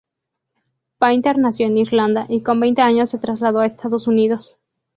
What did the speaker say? Painter nació en Irlanda y con veinte años se trasladó a Estados Unidos.